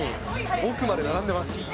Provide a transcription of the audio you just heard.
奥まで並んでます。